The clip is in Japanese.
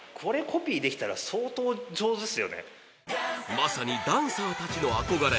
まさにダンサーたちの憧れ！